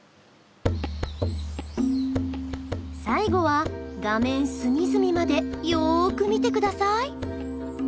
最後は画面隅々までよく見てください。